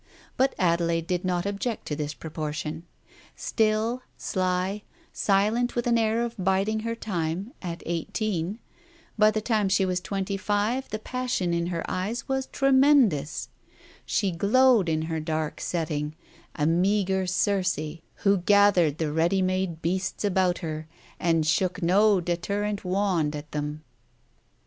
But Adelaide did not object to this proportion. Still, sly, silent with an air of biding her time, at eighteen ; by the time she was twenty five, the passion in her eyes was tremendous; she glowed in her dark setting, a meagre Circe who gathered the ready made beasts about her, and shook no deterrent wand at them.